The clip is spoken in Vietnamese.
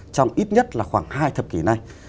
trong ít nhất là khoảng hai thập kỷ này